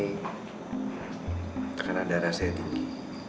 tekanan darah saya tinggi